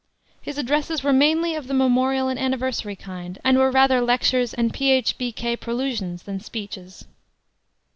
His addresses were mainly of the memorial and anniversary kind, and were rather lectures and Ph. B. K. prolusions than speeches.